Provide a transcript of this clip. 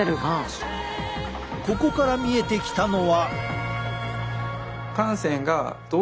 ここから見えてきたのは。